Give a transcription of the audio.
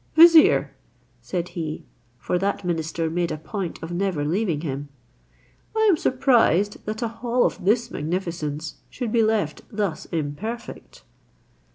"Vizier," said he, for that minister made a point of never leaving him, "I am surprised that a hall of this magnificence should be left thus imperfect."